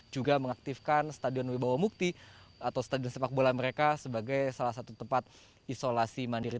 juga mengaktifkan stadion wibawa mukti atau stadion sepak bola mereka sebagai salah satu tempat isolasi mandiri